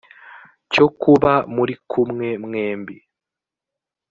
cyo kuba muri kumwe mwembi